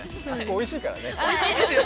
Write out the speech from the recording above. おいしいからね。